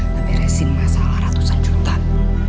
ngeberesin masalah ratusan jutaan